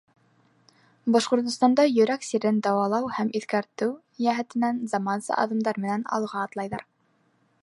Башҡортостанда йөрәк сирен дауалау һәм иҫкәртеү йәһәтенән заманса аҙымдар менән алға атлайҙар.